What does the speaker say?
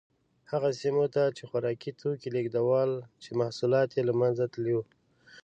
هغه سیمو ته یې خوراکي توکي لېږدول چې محصولات یې له منځه تللي وو